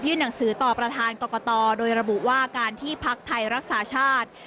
หนังสือต่อประธานกรกตโดยระบุว่าการที่พักไทยรักษาชาติ